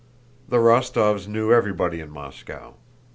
The Rostóvs knew everybody in Moscow.